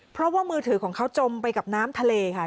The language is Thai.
เพราะว่ามือถือของเขาจมไปกับน้ำทะเลค่ะ